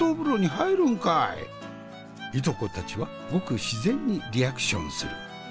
従兄弟たちはごく自然にリアクションする。